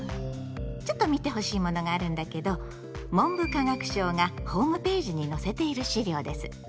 ちょっと見てほしいものがあるんだけど文部科学省がホームページに載せている資料です。